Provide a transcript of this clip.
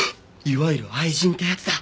いわゆる愛人ってやつだ。